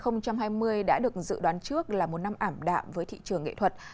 năm hai nghìn hai mươi đã được dự đoán trước là một năm ảm đạm với thị trường nghệ thuật